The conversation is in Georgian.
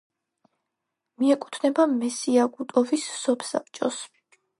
მიეკუთვნება მესიაგუტოვის სოფსაბჭოს.